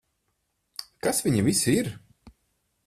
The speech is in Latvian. Kas viņi visi ir?